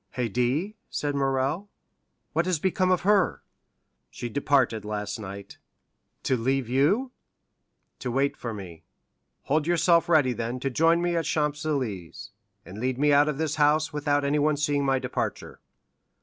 "Haydée?" said Morrel, "what has become of her?" "She departed last night." "To leave you?" "To wait for me. Hold yourself ready then to join me at the Champs Élysées, and lead me out of this house without anyone seeing my departure."